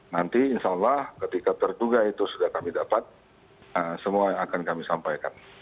nanti insya allah ketika terduga itu sudah kami dapat semua akan kami sampaikan